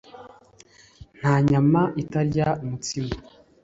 Nta nyama itarya umutsima.